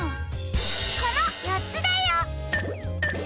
このよっつだよ！